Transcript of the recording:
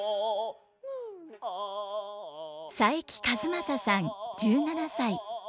佐伯和正さん１７歳。